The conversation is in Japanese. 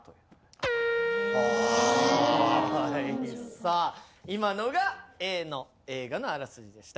さあ今のがＡの映画のあらすじでした。